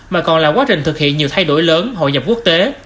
mà còn là quá trình thực hiện nhiều thay đổi lớn hội nhập quốc tế